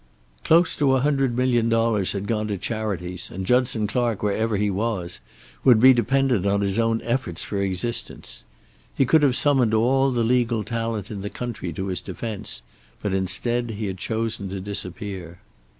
Close to a hundred million dollars had gone to charities, and Judson Clark, wherever he was, would be dependent on his own efforts for existence. He could have summoned all the legal talent in the country to his defense, but instead he had chosen to disappear.